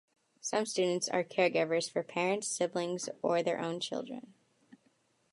Some students are caregivers for parents, siblings, or their own children.